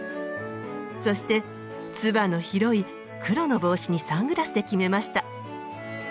そしてつばの広い黒の帽子にサングラスで決めました。